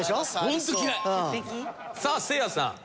大嫌い！さあせいやさん。